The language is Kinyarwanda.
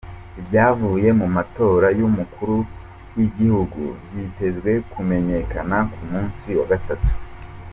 Ivyavuye mu matora y'umukuru w'igihugu vyitezwe kumenyekana ku musi wa gatatu.